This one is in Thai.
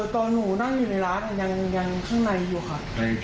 ตอนหนูนั่งอยู่ในร้านยังข้างในอยู่ค่ะ